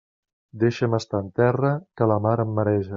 Deixa'm estar en terra, que la mar em mareja.